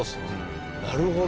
なるほど！